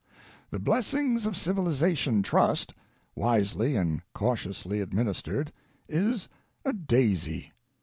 The Blessings of Civilization Trust, wisely and cautiously ad ministered, is a Daisy.